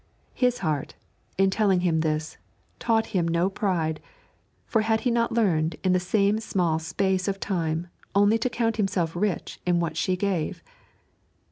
His heart, in telling him this, taught him no pride, for had he not learned in the same small space of time only to count himself rich in what she gave?